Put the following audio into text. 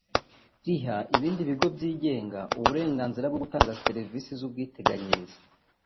riha ibindi bigo byigenga uburenganzira bwo gutanga serivisi z’ubwiteganyirize